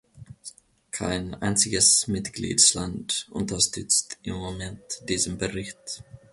Kein einziges Mitgliedsland unterstützt im Moment diesen Bericht.